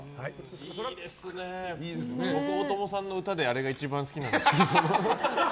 僕、大友さんの歌であれが一番好きなんですよ。